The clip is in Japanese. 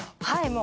はい！